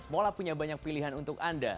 mola punya banyak pilihan untuk anda